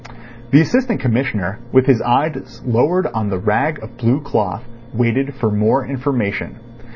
The Assistant Commissioner, with his eyes lowered on the rag of blue cloth, waited for more information.